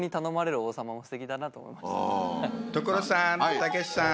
所さんたけしさん。